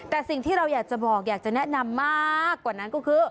แต่สิ่งที่เราอยากจะบอกอยากจะแนะนำมากกว่านั้นก็คือ